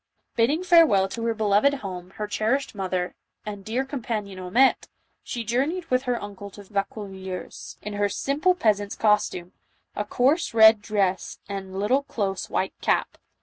Bidding 150 JOAN OF ARC. farewell to her beloved home, her cherished mother, and dear companion Haumette, she journeyed with her uncle to Vaucouleurs, in her simple peasant's costume, a coarse red dress and little close white cap.